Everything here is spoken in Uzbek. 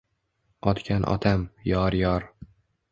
Otgan otam, yor-yor.